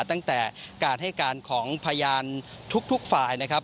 ตั้งแต่การให้การของพยานทุกฝ่ายนะครับ